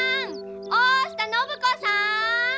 大下靖子さん！